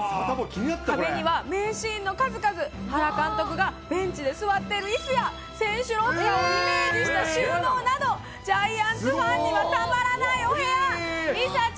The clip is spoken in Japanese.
壁には名シーンの数々、原監督がベンチで座っているいすや、選手ロッカーをイメージした収納など、ジャイアンツファンにはたまらないお部屋。